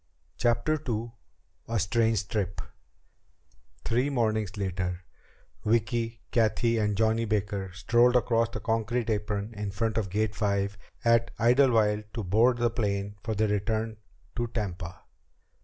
CHAPTER II A Strange Trip Three mornings later Vicki, Cathy, and Johnny Baker strolled across the concrete apron in front of Gate Five at Idlewild to board the ship for their return run to Tampa.